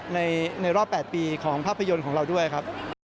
ในรอบ๘ปีของภาพยนตร์ของเราด้วยครับ